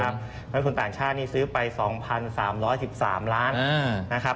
นักคลุมต่างชาติซึ้อไป๒๓๑๓ล้านนะครับ